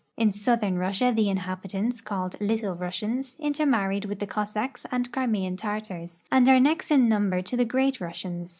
In southern Russia the inhabitants called Little Russians intermarried with the Cossacks and Crimean Tartars and are next in number to the Great Russians.